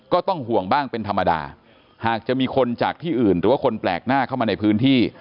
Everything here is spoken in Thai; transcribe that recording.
ก็ต้องห่วงบ้างเป็นธรรมดาหากจะมีคนจากที่อื่นหรือว่าคนแปลกหน้าเข้ามาในพื้นที่